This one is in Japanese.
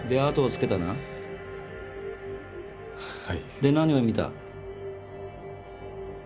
で何を見た？